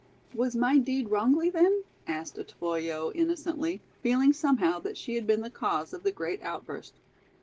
"Was my deed wrongly, then?" asked Otoyo, innocently, feeling somehow that she had been the cause of the great outburst.